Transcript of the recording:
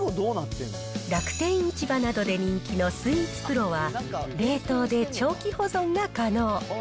楽天市場などで人気のスイーツプロは、冷凍で長期保存が可能。